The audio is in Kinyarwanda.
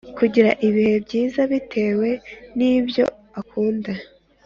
kugira ibihe byiza bitewe n’ibyo akunda